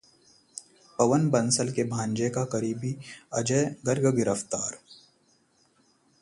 पवन बंसल के भांजे का करीबी अजय गर्ग गिरफ्तार